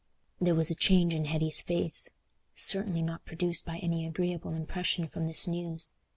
There was a change in Hetty's face, certainly not produced by any agreeable impression from this news.